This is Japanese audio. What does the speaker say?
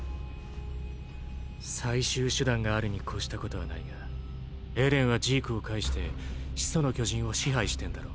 最終手段があるに越したことはないがエレンはジークを介して「始祖の巨人」を支配してんだろ？